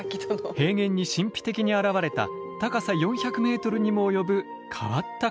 平原に神秘的に現れた高さ４００ｍにも及ぶ変わった形の岩の数々。